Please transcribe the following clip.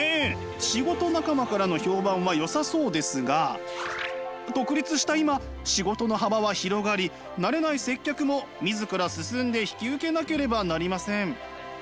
仕事仲間からの評判はよさそうですが独立した今仕事の幅は広がり慣れない接客も自ら進んで引き受けなければなりません。